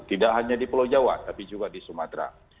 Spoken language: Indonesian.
tidak hanya di pulau jawa tapi juga di sumatera